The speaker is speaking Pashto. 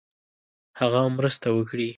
هغه مرسته وکړي.